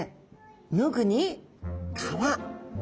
「脱ぐ」に「皮」。